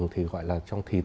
thì gọi là trong thị tâm